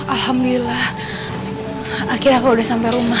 alhamdulillah akhirnya aku udah sampai rumah